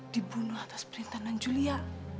dibunuh atas perintah nang julia